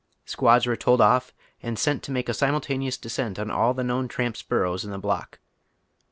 Squads were told off and sent to make a simultaneous descent on all the known tramps' buiTows in the block.